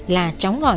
là cháu ngòi